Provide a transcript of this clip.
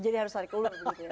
jadi harus tarik ulang